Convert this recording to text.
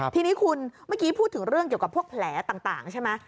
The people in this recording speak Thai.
ทีนี้คุณเมื่อกี้พูดถึงเรื่องเกี่ยวกับพวกแผลต่างใช่ไหม